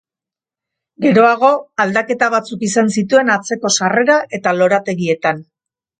Geroago, aldaketa batzuk izan zituen atzeko sarrera eta lorategietan.